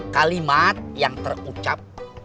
kalimat yang terucap